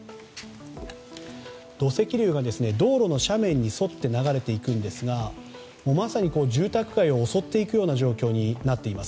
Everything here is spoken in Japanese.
土石流が道路の斜面に沿って流れていくんですがまさに住宅街を襲っていくような状況になっています。